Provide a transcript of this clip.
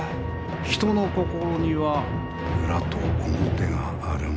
人の心には裏と表があるものぞ。